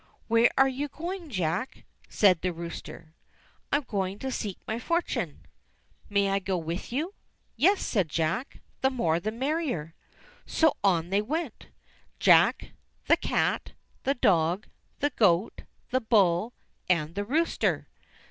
"Where are you going, Jack?" said the rooster. "I am going to seek my fortune." "May I go with you ?" "Yes," said Jack, "the more the merrier." So on they went, Jack, the cat, the dog, the goat, the bull, and the rooster.